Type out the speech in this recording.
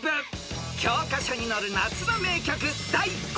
［教科書に載る夏の名曲第５位は］